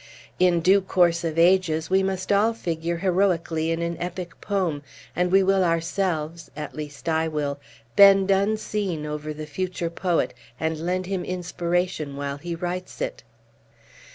In due course of ages, we must all figure heroically in an epic poem; and we will ourselves at least, I will bend unseen over the future poet, and lend him inspiration while he writes it."